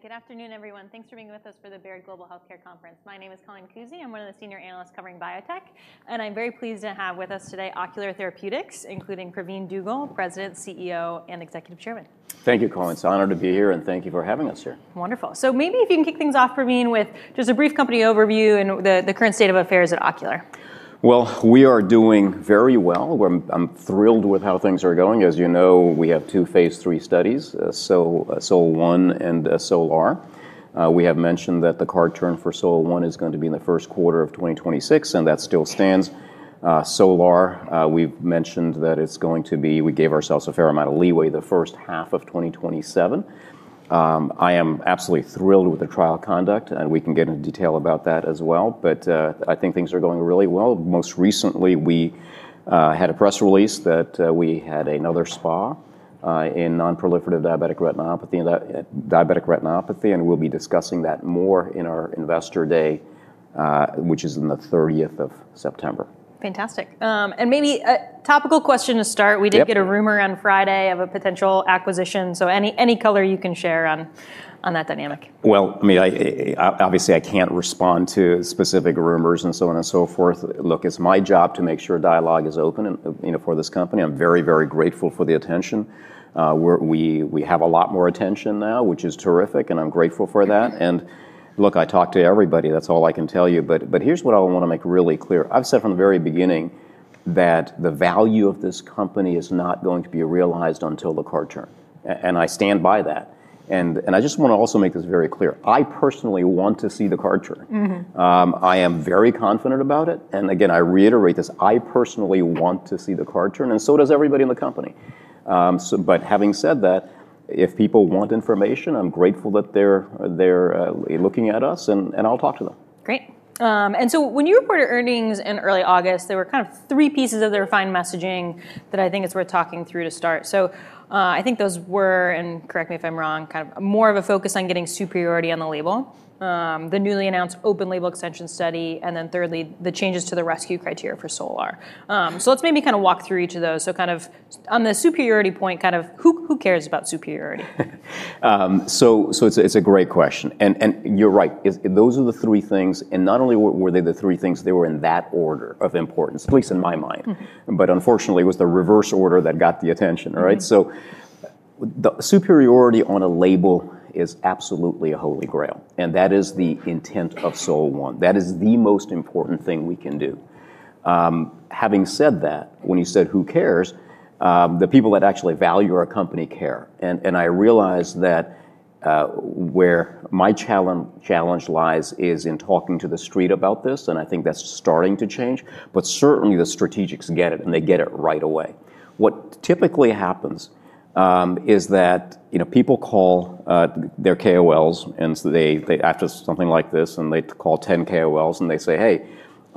Good afternoon, everyone. Thanks for being with us for the Baird Global Healthcare Conference. My name is Colleen Cousy. I'm one of the Senior Analysts covering biotech, and I'm very pleased to have with us today Ocular Therapeutix, including Dr. Pravin U. Dugel, President, CEO, and Executive Chairman. Thank you, Colleen. It's an honor to be here, and thank you for having us here. Wonderful. Maybe if you can kick things off, Pravin, with just a brief company overview and the current state of affairs at Ocular Therapeutix. We are doing very well. I'm thrilled with how things are going. As you know, we have two Phase III studies, SOL1 and SOLR. We have mentioned that the car turn for SOL1 is going to be in the first quarter of 2026, and that still stands. SOLR, we've mentioned that it's going to be, we gave ourselves a fair amount of leeway, the first half of 2027. I am absolutely thrilled with the trial conduct, and we can get into detail about that as well. I think things are going really well. Most recently, we had a press release that we had another SPA in nonproliferative diabetic retinopathy, and we'll be discussing that more in our Investor Day, which is on the 30th of September. Fantastic. Maybe a topical question to start. We did get a rumor on Friday of a potential acquisition. Any color you can share on that dynamic? Obviously, I can't respond to specific rumors and so on and so forth. Look, it's my job to make sure dialogue is open, you know, for this company. I'm very, very grateful for the attention. We have a lot more attention now, which is terrific, and I'm grateful for that. Look, I talk to everybody. That's all I can tell you. Here's what I want to make really clear. I've said from the very beginning that the value of this company is not going to be realized until the car turn, and I stand by that. I just want to also make this very clear. I personally want to see the car turn. I am very confident about it. Again, I reiterate this. I personally want to see the car turn, and so does everybody in the company. Having said that, if people want information, I'm grateful that they're looking at us, and I'll talk to them. Great. When you reported earnings in early August, there were kind of three pieces of the refined messaging that I think it's worth talking through to start. I think those were, and correct me if I'm wrong, kind of more of a focus on getting superiority on the label, the newly announced open-label extension study, and then thirdly, the changes to the rescue criteria for SOLR. Let's maybe walk through each of those. On the superiority point, kind of who cares about superiority? It's a great question. You're right. Those are the three things, and not only were they the three things, they were in that order of importance, at least in my mind. Unfortunately, it was the reverse order that got the attention. Superiority on a label is absolutely a holy grail, and that is the intent of SOL1. That is the most important thing we can do. Having said that, when you said who cares, the people that actually value our company care. I realize that where my challenge lies is in talking to the street about this, and I think that's starting to change. Certainly, the strategics get it, and they get it right away. What typically happens is that people call their KOLs after something like this, and they call 10 KOLs, and they say, "Hey,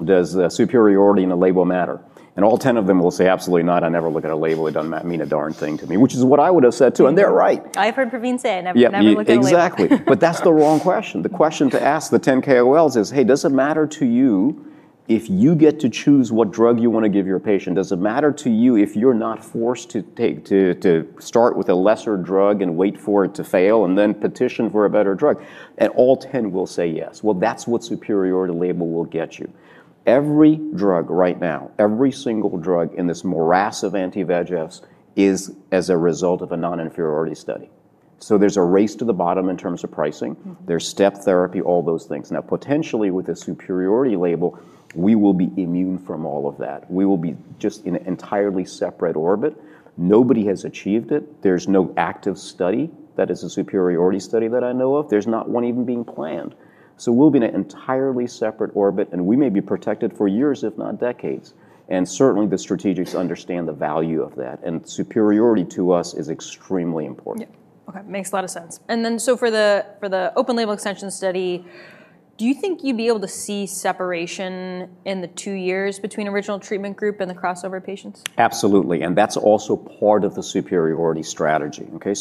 does the superiority in the label matter?" All 10 of them will say, "Absolutely not. I never look at a label. It doesn't mean a darn thing to me," which is what I would have said too. They're right. I've heard Pravin U. Dugel say it, and I've never looked at a label. Exactly. That's the wrong question. The question to ask the 10 KOLs is, "Hey, does it matter to you if you get to choose what drug you want to give your patient? Does it matter to you if you're not forced to start with a lesser drug and wait for it to fail and then petition for a better drug?" All 10 will say yes. That's what superiority label will get you. Every drug right now, every single drug in this morass of anti-VEGFs is as a result of a non-inferiority study. There's a race to the bottom in terms of pricing. There's step therapy, all those things. Now, potentially, with a superiority label, we will be immune from all of that. We will be just in an entirely separate orbit. Nobody has achieved it. There's no active study that is a superiority study that I know of. There's not one even being planned. We will be in an entirely separate orbit, and we may be protected for years, if not decades. Certainly, the strategics understand the value of that. Superiority to us is extremely important. OK. Makes a lot of sense. For the open-label extension study, do you think you'd be able to see separation in the two years between original treatment group and the crossover patients? Absolutely. That's also part of the superiority strategy. OK.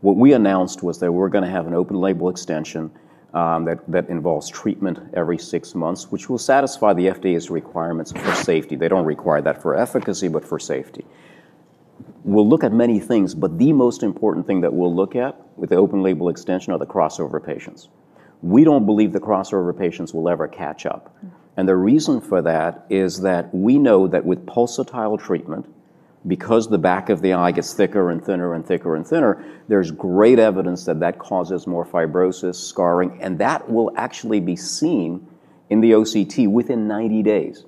What we announced was that we're going to have an open-label extension that involves treatment every six months, which will satisfy the FDA's requirements for safety. They don't require that for efficacy, but for safety. We'll look at many things, but the most important thing that we'll look at with the open-label extension are the crossover patients. We don't believe the crossover patients will ever catch up. The reason for that is that we know that with pulsatile treatment, because the back of the eye gets thicker and thinner and thicker and thinner, there's great evidence that that causes more fibrosis, scarring, and that will actually be seen in the OCT within 90 days.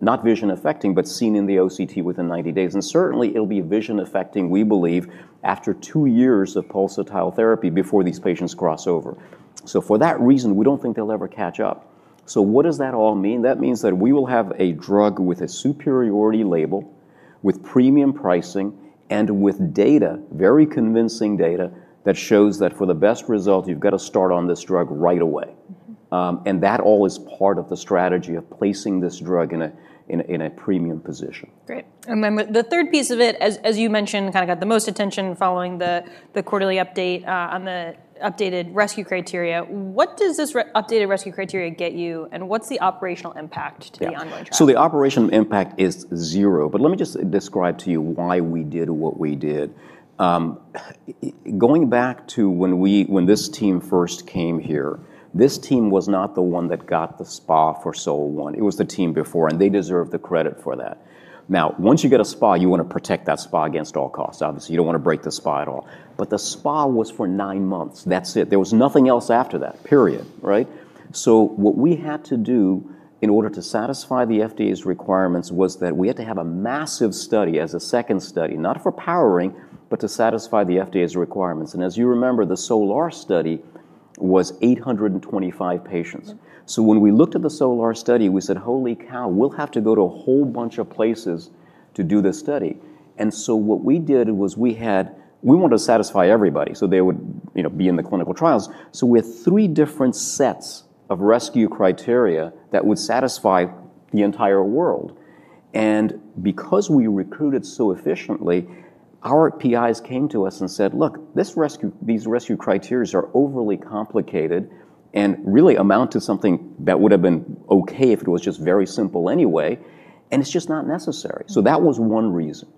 Not vision affecting, but seen in the OCT within 90 days. It will certainly be vision affecting, we believe, after two years of pulsatile therapy before these patients cross over. For that reason, we don't think they'll ever catch up. What does that all mean? That means that we will have a drug with a superiority label, with premium pricing, and with data, very convincing data, that shows that for the best result, you've got to start on this drug right away. That all is part of the strategy of placing this drug in a premium position. Great. The third piece of it, as you mentioned, kind of got the most attention following the quarterly update on the updated rescue criteria. What does this updated rescue criteria get you, and what's the operational impact to the ongoing trial? The operational impact is zero. Let me just describe to you why we did what we did. Going back to when this team first came here, this team was not the one that got the SPA for SOL1. It was the team before, and they deserve the credit for that. Once you get a SPA, you want to protect that SPA against all costs. Obviously, you don't want to break the SPA at all. The SPA was for nine months. That's it. There was nothing else after that, period. What we had to do in order to satisfy the FDA's requirements was that we had to have a massive study as a second study, not for powering, but to satisfy the FDA's requirements. As you remember, the SOLR study was 825 patients. When we looked at the SOLR study, we said, "Holy cow. We'll have to go to a whole bunch of places to do this study." What we did was we wanted to satisfy everybody, so they would be in the clinical trials. We had three different sets of rescue criteria that would satisfy the entire world. Because we recruited so efficiently, our PIs came to us and said, "Look, these rescue criteria are overly complicated and really amount to something that would have been OK if it was just very simple anyway, and it's just not necessary." That was one reason.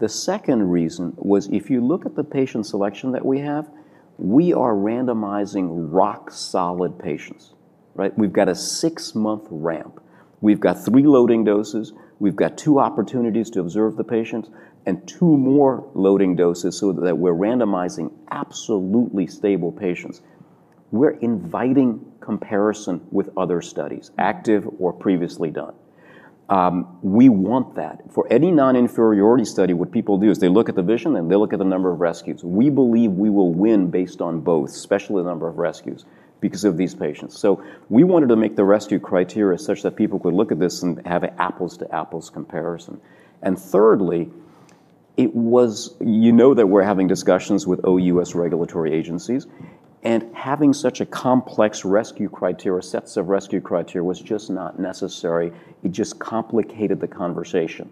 The second reason was if you look at the patient selection that we have, we are randomizing rock-solid patients. We've got a six-month ramp. We've got three loading doses. We've got two opportunities to observe the patients and two more loading doses so that we're randomizing absolutely stable patients. We're inviting comparison with other studies, active or previously done. We want that. For any non-inferiority study, what people do is they look at the vision, and they look at the number of rescues. We believe we will win based on both, especially the number of rescues because of these patients. We wanted to make the rescue criteria such that people could look at this and have an apples-to-apples comparison. Thirdly, you know that we're having discussions with OUS regulatory agencies, and having such a complex rescue criteria, sets of rescue criteria, was just not necessary. It just complicated the conversation.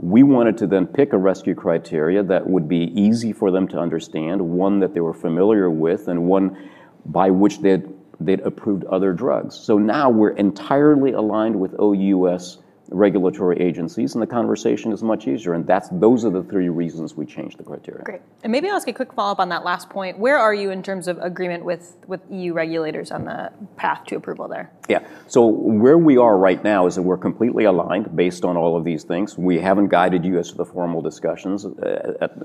We wanted to then pick a rescue criteria that would be easy for them to understand, one that they were familiar with, and one by which they'd approved other drugs. Now we're entirely aligned with OUS regulatory agencies, and the conversation is much easier. Those are the three reasons we changed the criteria. Great. Maybe I'll ask you a quick follow-up on that last point. Where are you in terms of agreement with EU regulators on the path to approval there? Yeah. Where we are right now is that we're completely aligned based on all of these things. We haven't guided you as to the formal discussions.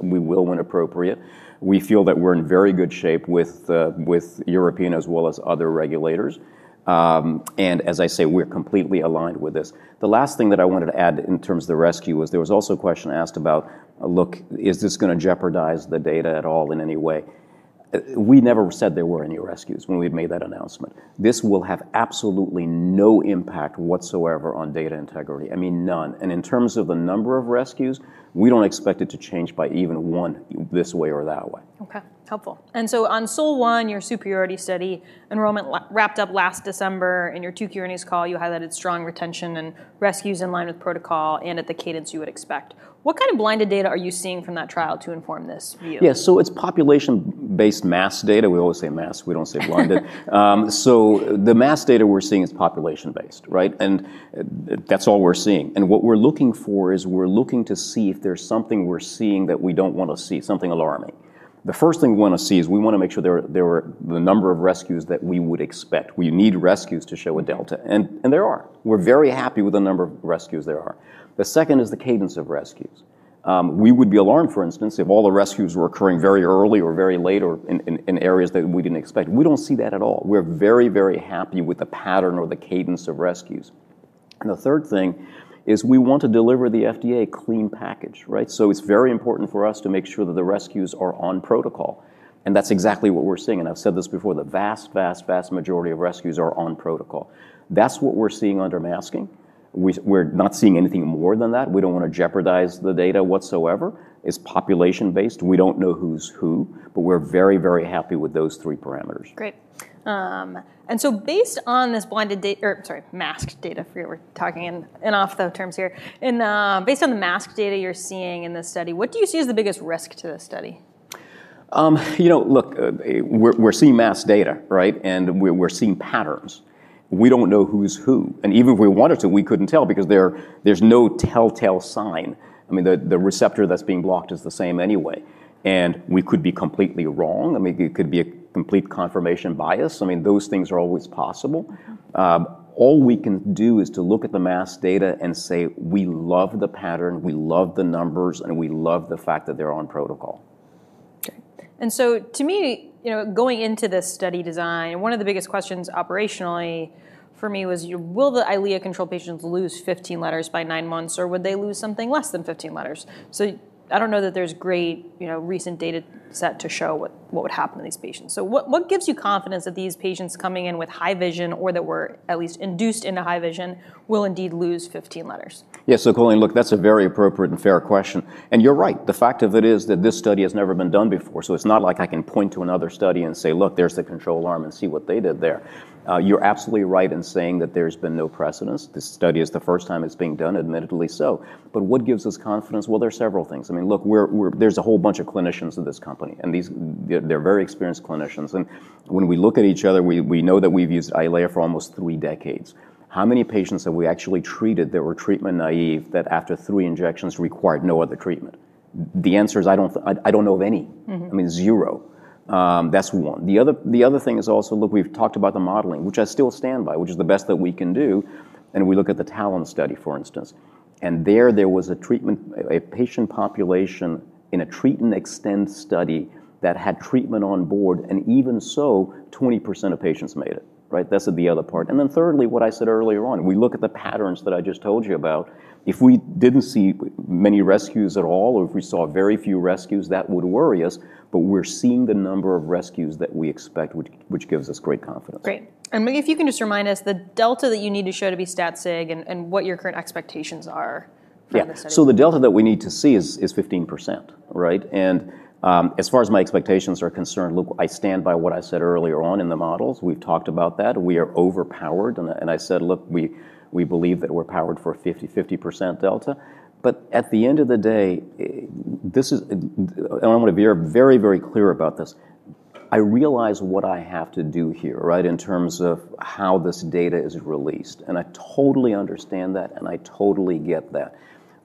We will when appropriate. We feel that we're in very good shape with European, as well as other regulators. As I say, we're completely aligned with this. The last thing that I wanted to add in terms of the rescue was there was also a question asked about, "Look, is this going to jeopardize the data at all in any way?" We never said there were any rescues when we made that announcement. This will have absolutely no impact whatsoever on data integrity. I mean, none. In terms of the number of rescues, we don't expect it to change by even one this way or that way. OK. Helpful. On SOL1, your superiority study, enrollment wrapped up last December. In your Q2 call, you highlighted strong retention and rescues in line with protocol and at the cadence you would expect. What kind of blinded data are you seeing from that trial to inform this view? Yeah. It's population-based masked data. We always say masked. We don't say blinded. The masked data we're seeing is population-based, right? That's all we're seeing. What we're looking for is to see if there's something we're seeing that we don't want to see, something alarming. The first thing we want to see is to make sure there are the number of rescues that we would expect. We need rescues to show a delta, and there are. We're very happy with the number of rescues there are. The second is the cadence of rescues. We would be alarmed, for instance, if all the rescues were occurring very early or very late or in areas that we didn't expect. We don't see that at all. We're very, very happy with the pattern or the cadence of rescues. The third thing is we want to deliver the FDA a clean package, right? It's very important for us to make sure that the rescues are on protocol, and that's exactly what we're seeing. I've said this before. The vast, vast, vast majority of rescues are on protocol. That's what we're seeing under masking. We're not seeing anything more than that. We don't want to jeopardize the data whatsoever. It's population-based. We don't know who's who, but we're very, very happy with those three parameters. Great. Based on this masked data, we're talking in off-the-terms here. Based on the masked data you're seeing in this study, what do you see as the biggest risk to this study? We're seeing masked data, right? We're seeing patterns. We don't know who's who, and even if we wanted to, we couldn't tell because there's no telltale sign. The receptor that's being blocked is the same anyway. We could be completely wrong. It could be a complete confirmation bias. Those things are always possible. All we can do is look at the masked data and say we love the pattern, we love the numbers, and we love the fact that they're on protocol. To me, going into this study design, one of the biggest questions operationally for me was, will the Eylea-controlled patients lose 15 letters by nine months, or would they lose something less than 15 letters? I don't know that there's a great recent data set to show what would happen to these patients. What gives you confidence that these patients coming in with high vision, or that were at least induced into high vision, will indeed lose 15 letters? Yeah. Colleen, look, that's a very appropriate and fair question. You're right. The fact of it is that this study has never been done before. It's not like I can point to another study and say, look, there's the control arm and see what they did there. You're absolutely right in saying that there's been no precedence. This study is the first time it's being done, admittedly so. What gives us confidence? There are several things. There's a whole bunch of clinicians in this company, and they're very experienced clinicians. When we look at each other, we know that we've used Eylea for almost three decades. How many patients have we actually treated that were treatment naive, that after three injections required no other treatment? The answer is I don't know of any. Zero. That's one. The other thing is, we've talked about the modeling, which I still stand by, which is the best that we can do. We look at the Talent study, for instance. There was a treatment, a patient population in a treat-and-extend study that had treatment on board. Even so, 20% of patients made it. That's the other part. Thirdly, what I said earlier on, we look at the patterns that I just told you about. If we didn't see many rescues at all, or if we saw very few rescues, that would worry us. We're seeing the number of rescues that we expect, which gives us great confidence. Great. Maybe if you can just remind us the delta that you need to show to be stat-sig, and what your current expectations are for the study. Yeah. The delta that we need to see is 15%. Right? As far as my expectations are concerned, look, I stand by what I said earlier on in the models. We've talked about that. We are overpowered. I said, look, we believe that we're powered for 50% delta. At the end of the day, I want to be very, very clear about this. I realize what I have to do here, right, in terms of how this data is released. I totally understand that, and I totally get that.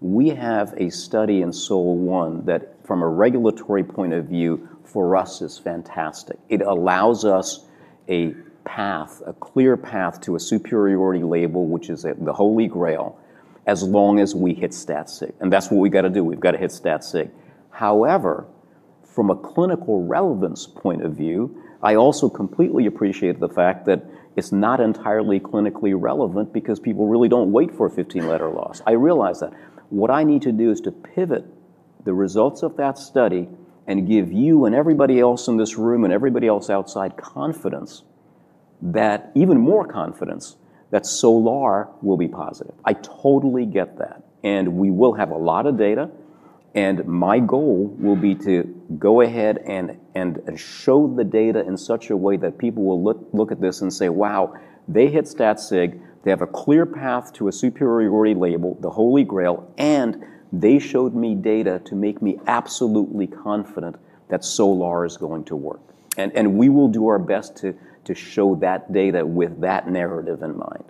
We have a study in SOL1 that, from a regulatory point of view, for us, is fantastic. It allows us a path, a clear path to a superiority label, which is the holy grail, as long as we hit stat-sig. That's what we've got to do. We've got to hit stat-sig. However, from a clinical relevance point of view, I also completely appreciate the fact that it's not entirely clinically relevant because people really don't wait for a 15-letter loss. I realize that. What I need to do is to pivot the results of that study and give you and everybody else in this room and everybody else outside confidence, even more confidence, that SOLR will be positive. I totally get that. We will have a lot of data. My goal will be to go ahead and show the data in such a way that people will look at this and say, wow, they hit stat-sig. They have a clear path to a superiority label, the holy grail. They showed me data to make me absolutely confident that SOLR is going to work. We will do our best to show that data with that narrative in mind.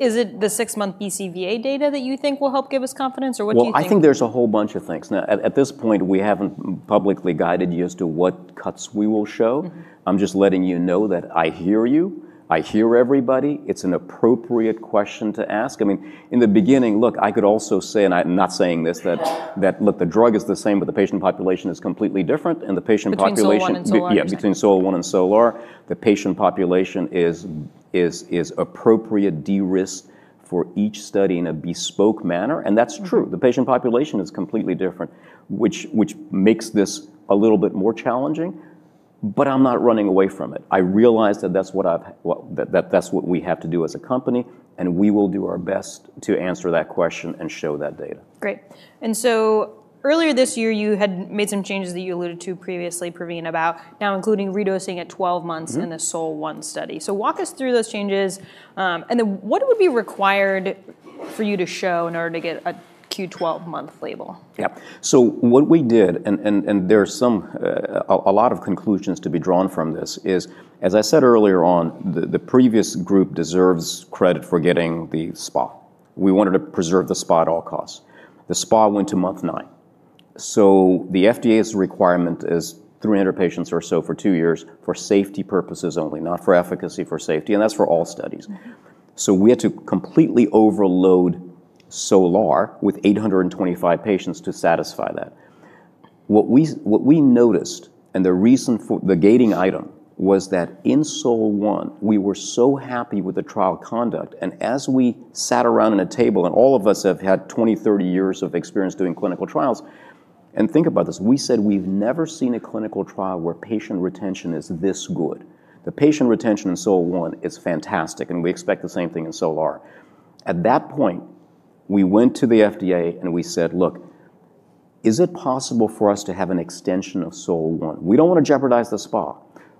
Is it the six-month ECVA data that you think will help give us confidence, or what do you think? I think there's a whole bunch of things. At this point, we haven't publicly guided you as to what cuts we will show. I'm just letting you know that I hear you. I hear everybody. It's an appropriate question to ask. In the beginning, I could also say, and I'm not saying this, that the drug is the same, but the patient population is completely different. And the patient population. SOL1 and SOLR. Yeah, between SOL1 and SOLR, the patient population is appropriate de-risk for each study in a bespoke manner. That’s true. The patient population is completely different, which makes this a little bit more challenging. I’m not running away from it. I realize that that’s what we have to do as a company, and we will do our best to answer that question and show that data. Great. Earlier this year, you had made some changes that you alluded to previously, Pravin, about now including re-dosing at 12 months in the SOL1 study. Walk us through those changes, and then what would be required for you to show in order to get a Q12 month label? Yeah. What we did, and there are a lot of conclusions to be drawn from this, is, as I said earlier on, the previous group deserves credit for getting the SPA. We wanted to preserve the SPA at all costs. The SPA went to month nine. The FDA's requirement is 300 patients or so for two years for safety purposes only, not for efficacy, for safety. That's for all studies. We had to completely overload SOLR with 825 patients to satisfy that. What we noticed, and the reason for the gating item was that in SOL1, we were so happy with the trial conduct. As we sat around a table, and all of us have had 20, 30 years of experience doing clinical trials, and think about this, we said we've never seen a clinical trial where patient retention is this good. The patient retention in SOL1 is fantastic, and we expect the same thing in SOLR. At that point, we went to the FDA, and we said, look, is it possible for us to have an extension of SOL1? We don't want to jeopardize the SPA.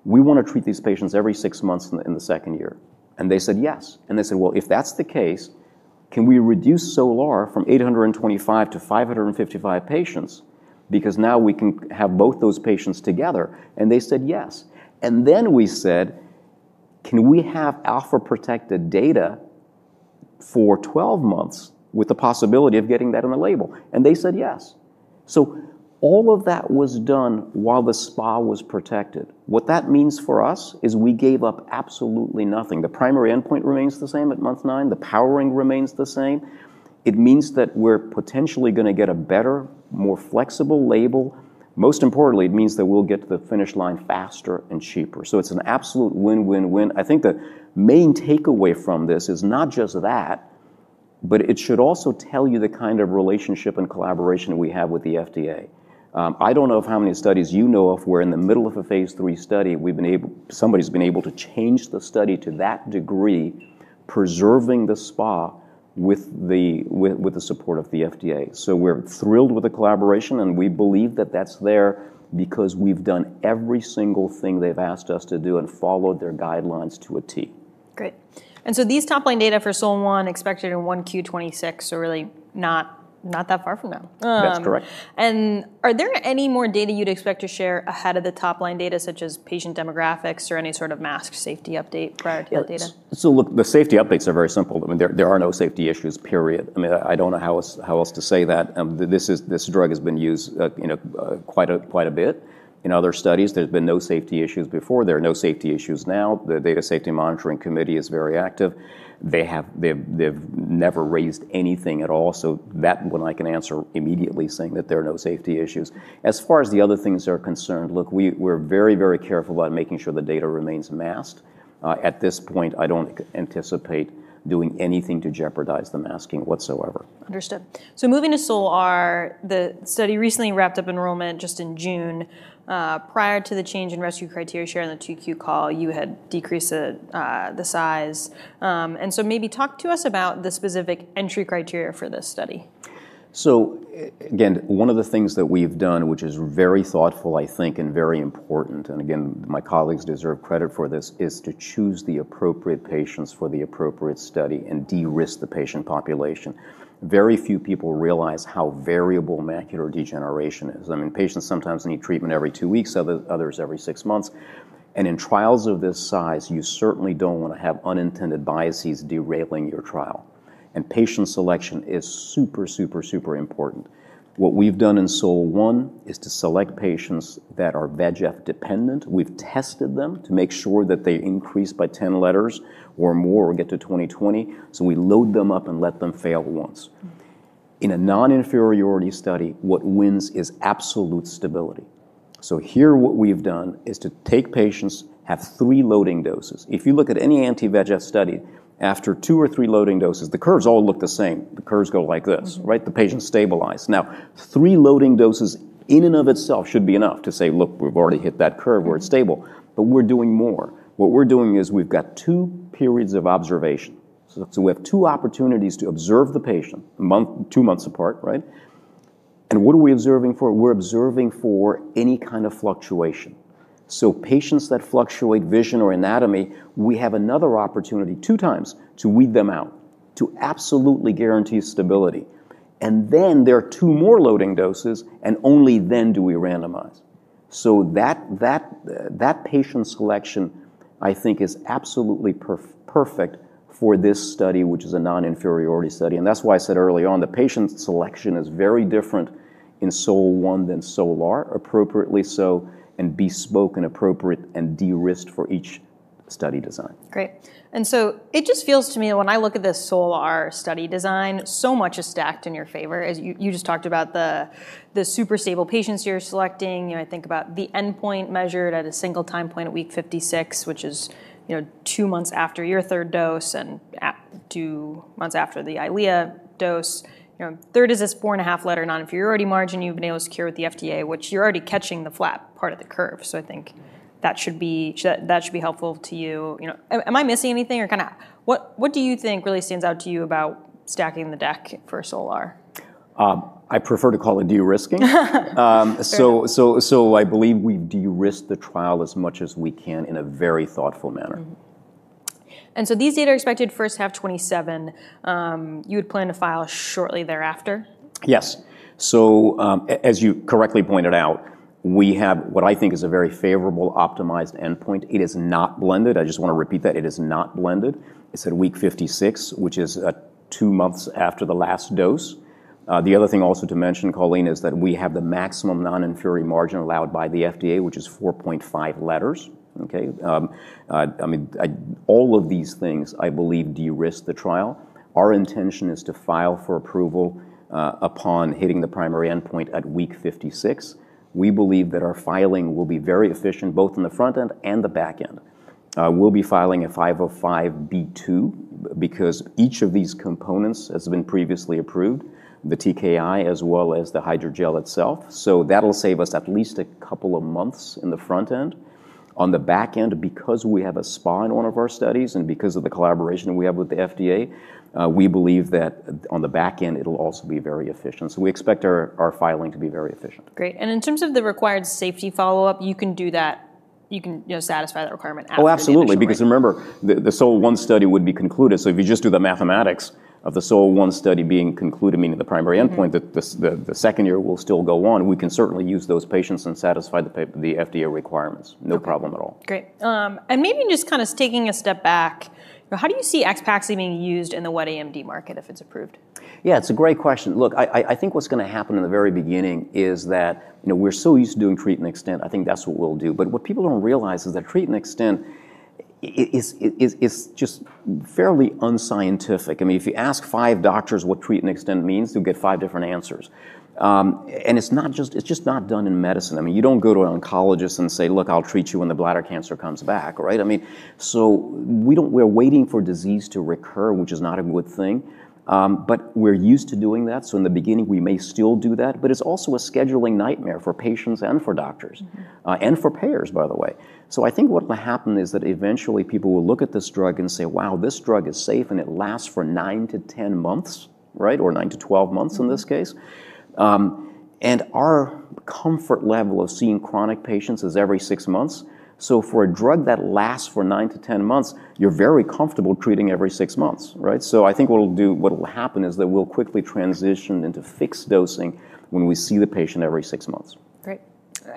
We want to treat these patients every six months in the second year. They said yes. They said, if that's the case, can we reduce SOLR from 825 to 555 patients? Because now we can have both those patients together. They said yes. Then we said, can we have alpha-protected data for 12 months with the possibility of getting that in the label? They said yes. All of that was done while the SPA was protected. What that means for us is we gave up absolutely nothing. The primary endpoint remains the same at month nine. The powering remains the same. It means that we're potentially going to get a better, more flexible label. Most importantly, it means that we'll get to the finish line faster and cheaper. It's an absolute win-win-win. I think the main takeaway from this is not just that, but it should also tell you the kind of relationship and collaboration we have with the FDA. I don't know how many studies you know of where in the middle of a Phase III study, somebody's been able to change the study to that degree, preserving the SPA with the support of the FDA. We're thrilled with the collaboration, and we believe that that's there because we've done every single thing they've asked us to do and followed their guidelines to a T. Great. These top-line data for SOL1 are expected in Q1 2026, so really not that far from now. That's correct. Are there any more data you'd expect to share ahead of the top-line data, such as patient demographics or any sort of masked safety update prior to your data? The safety updates are very simple. There are no safety issues, period. I don't know how else to say that. This drug has been used quite a bit in other studies. There's been no safety issues before. There are no safety issues now. The Data Safety Monitoring Committee is very active. They have never raised anything at all. That one I can answer immediately, saying that there are no safety issues. As far as the other things are concerned, we're very, very careful about making sure the data remains masked. At this point, I don't anticipate doing anything to jeopardize the masking whatsoever. Understood. Moving to SOLR, the study recently wrapped up enrollment just in June. Prior to the change in rescue criteria shared in the 2Q call, you had decreased the size. Maybe talk to us about the specific entry criteria for this study. One of the things that we've done, which is very thoughtful, I think, and very important, and my colleagues deserve credit for this, is to choose the appropriate patients for the appropriate study and de-risk the patient population. Very few people realize how variable macular degeneration is. I mean, patients sometimes need treatment every two weeks, others every six months. In trials of this size, you certainly don't want to have unintended biases derailing your trial. Patient selection is super, super, super important. What we've done in SOL1 is to select patients that are VEGF dependent. We've tested them to make sure that they increase by 10 letters or more or get to 20/20. We load them up and let them fail once. In a non-inferiority study, what wins is absolute stability. Here, what we've done is to take patients, have three loading doses. If you look at any anti-VEGF study, after two or three loading doses, the curves all look the same. The curves go like this. Right? The patients stabilize. Now, three loading doses in and of itself should be enough to say, look, we've already hit that curve. We're stable. We're doing more. What we're doing is we've got two periods of observation. We have two opportunities to observe the patient two months apart. Right? What are we observing for? We're observing for any kind of fluctuation. Patients that fluctuate vision or anatomy, we have another opportunity two times to weed them out, to absolutely guarantee stability. Then there are two more loading doses, and only then do we randomize. That patient selection I think is absolutely perfect for this study, which is a non-inferiority study. That's why I said early on, the patient selection is very different in SOL1 than SOLR, appropriately so and bespoke and appropriate and de-risked for each study design. Great. It just feels to me that when I look at this SOLR study design, so much is stacked in your favor. You just talked about the super stable patients you're selecting. I think about the endpoint measured at a single time point at week 56, which is two months after your third dose and two months after the Eylea dose. Third is this 4.5 letter non-inferiority margin you've been able to secure with the FDA, which you're already catching the flat part of the curve. I think that should be helpful to you. Am I missing anything? What do you think really stands out to you about stacking the deck for SOLR? I prefer to call it de-risking. I believe we de-risk the trial as much as we can in a very thoughtful manner. These data are expected first to have 2027. You would plan to file shortly thereafter? Yes. As you correctly pointed out, we have what I think is a very favorable optimized endpoint. It is not blended. I just want to repeat that. It is not blended. It's at week 56, which is two months after the last dose. The other thing also to mention, Colleen, is that we have the maximum non-inferiority margin allowed by the FDA, which is 4.5 letters. All of these things, I believe, de-risk the trial. Our intention is to file for approval upon hitting the primary endpoint at week 56. We believe that our filing will be very efficient, both in the front end and the back end. We'll be filing a 505B2 because each of these components has been previously approved, the TKI as well as the hydrogel itself. That'll save us at least a couple of months in the front end. On the back end, because we have a SPA in one of our studies and because of the collaboration we have with the FDA, we believe that on the back end, it'll also be very efficient. We expect our filing to be very efficient. Great. In terms of the required safety follow-up, you can do that. You can satisfy that requirement after that. Oh, absolutely. Because remember, the SOL1 study would be concluded. If you just do the mathematics of the SOL1 study being concluded, meaning the primary endpoint, the second year will still go on. We can certainly use those patients and satisfy the FDA requirements. No problem at all. Great. Maybe just kind of taking a step back, how do you see AXPAXLI™ being used in the wet AMD market if it's approved? Yeah, it's a great question. Look, I think what's going to happen in the very beginning is that we're so used to doing treat-and-extend. I think that's what we'll do. What people don't realize is that treat-and-extend is just fairly unscientific. I mean, if you ask five doctors what treat-and-extend means, you'll get five different answers. It's just not done in medicine. I mean, you don't go to an oncologist and say, look, I'll treat you when the bladder cancer comes back, right? I mean, we're waiting for disease to recur, which is not a good thing. We're used to doing that. In the beginning, we may still do that. It's also a scheduling nightmare for patients and for doctors and for payers, by the way. I think what will happen is that eventually, people will look at this drug and say, wow, this drug is safe, and it lasts for nine to 10 months, right, or nine to 12 months in this case. Our comfort level of seeing chronic patients is every six months. For a drug that lasts for nine to 10 months, you're very comfortable treating every six months, right? I think what will happen is that we'll quickly transition into fixed dosing when we see the patient every six months. Great.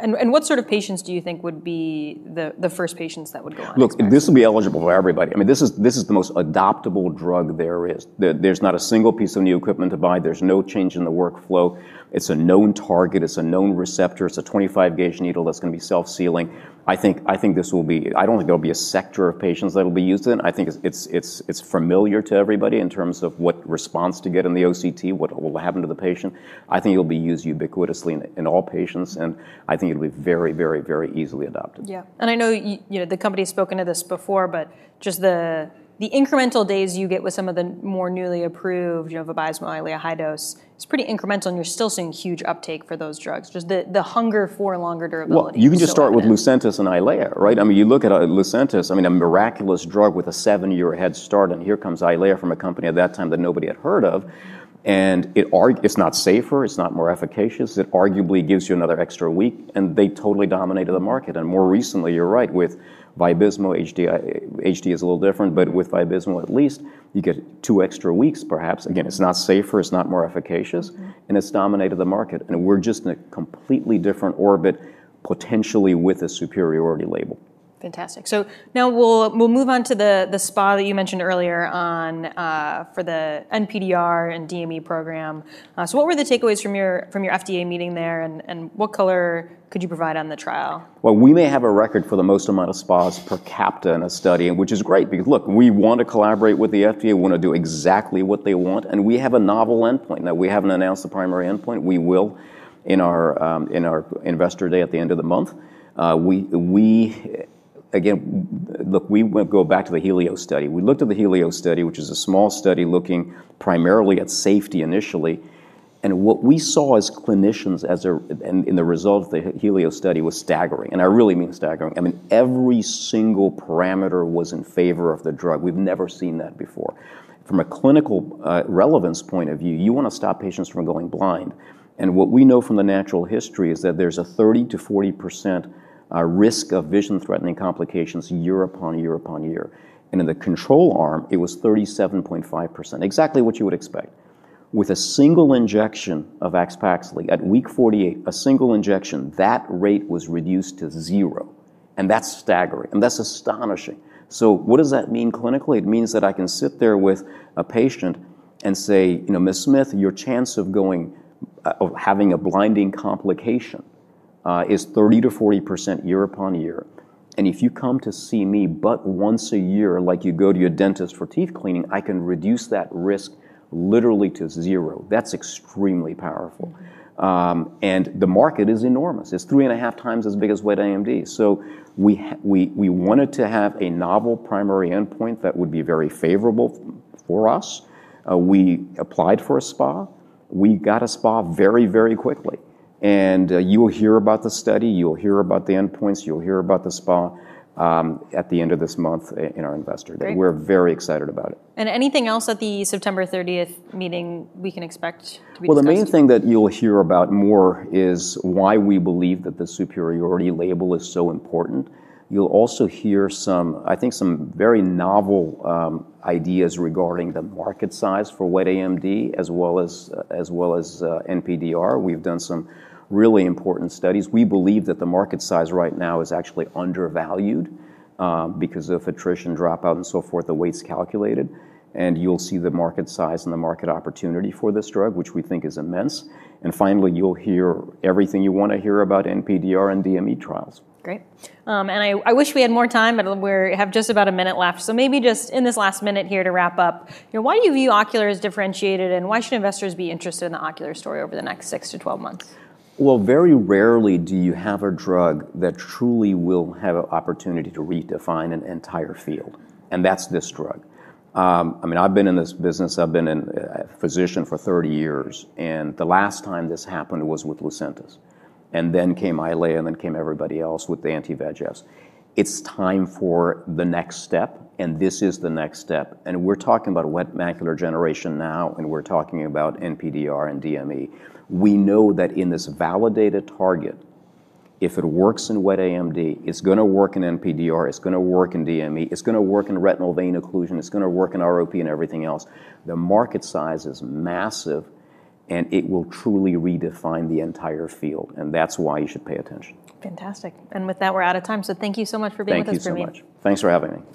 What sort of patients do you think would be the first patients that would go on? Look, this will be eligible for everybody. I mean, this is the most adoptable drug there is. There's not a single piece of new equipment to buy. There's no change in the workflow. It's a known target. It's a known receptor. It's a 25-gauge needle that's going to be self-sealing. I think this will be, I don't think there will be a sector of patients that will be used in it. I think it's familiar to everybody in terms of what response to get in the OCT, what will happen to the patient. I think it will be used ubiquitously in all patients, and I think it'll be very, very, very easily adopted. I know the company has spoken to this before, but just the incremental days you get with some of the more newly approved Vabysmo, Eylea, high dose, it's pretty incremental, and you're still seeing huge uptake for those drugs. Just the hunger for longer durability. You can just start with Lucentis and Eylea, right? I mean, you look at Lucentis, a miraculous drug with a seven-year head start. Here comes Eylea from a company at that time that nobody had heard of. It's not safer. It's not more efficacious. It arguably gives you another extra week, and they totally dominated the market. More recently, you're right, with Vabysmo, HD is a little different, but with Vabysmo at least you get two extra weeks, perhaps. Again, it's not safer. It's not more efficacious, and it's dominated the market. We're just in a completely different orbit, potentially with a superiority label. Fantastic. Now we'll move on to the SPA that you mentioned earlier for the NPDR and DME program. What were the takeaways from your FDA meeting there, and what color could you provide on the trial? We may have a record for the most amount of SPAs per capita in a study, which is great. Because look, we want to collaborate with the FDA. We want to do exactly what they want. We have a novel endpoint. Now, we haven't announced the primary endpoint. We will in our Investor Day at the end of the month. Again, look, we will go back to the HELIOS study. We looked at the HELIOS study, which is a small study looking primarily at safety initially. What we saw as clinicians in the result of the HELIOS study was staggering. I really mean staggering. I mean, every single parameter was in favor of the drug. We've never seen that before. From a clinical relevance point of view, you want to stop patients from going blind. What we know from the natural history is that there's a 30% to 40% risk of vision-threatening complications year upon year upon year. In the control arm, it was 37.5%, exactly what you would expect. With a single injection of AXPAXLI™ at week 48, a single injection, that rate was reduced to zero. That's staggering. That's astonishing. What does that mean clinically? It means that I can sit there with a patient and say, you know, Ms. Smith, your chance of having a blinding complication is 30% to 40% year upon year. If you come to see me but once a year, like you go to your dentist for teeth cleaning, I can reduce that risk literally to zero. That's extremely powerful. The market is enormous. It's 3.5 times as big as wet AMD. We wanted to have a novel primary endpoint that would be very favorable for us. We applied for a SPA. We got a SPA very, very quickly. You will hear about the study. You'll hear about the endpoints. You'll hear about the SPA at the end of this month in our Investor Day. We're very excited about it. there anything else at the September 30th meeting we can expect to be discussed? The main thing that you'll hear about more is why we believe that the superiority label is so important. You'll also hear some very novel ideas regarding the market size for wet AMD, as well as NPDR. We've done some really important studies. We believe that the market size right now is actually undervalued because of attrition, dropout, and so forth, the way it's calculated. You'll see the market size and the market opportunity for this drug, which we think is immense. Finally, you'll hear everything you want to hear about NPDR and DME trials. Great. I wish we had more time, but we have just about a minute left. Maybe just in this last minute here to wrap up, why do you view Ocular as differentiated, and why should investors be interested in the Ocular story over the next 6 to 12 months? Very rarely do you have a drug that truly will have an opportunity to redefine an entire field. That's this drug. I mean, I've been in this business. I've been a physician for 30 years. The last time this happened was with Lucentis. Then came Eylea, then came everybody else with the anti-VEGF. It's time for the next step, and this is the next step. We're talking about wet macular degeneration now, and we're talking about NPDR and DME. We know that in this validated target, if it works in wet AMD, it's going to work in NPDR. It's going to work in DME. It's going to work in retinal vein occlusion. It's going to work in ROP and everything else. The market size is massive, and it will truly redefine the entire field. That's why you should pay attention. Fantastic. With that, we're out of time. Thank you so much for being with us, Pravin. Thank you so much. Thanks for having me.